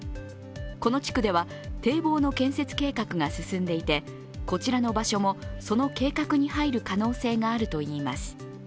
この地区では堤防の建設計画か進んでいてこちらの場所もその計画に入る可能性があるといいます。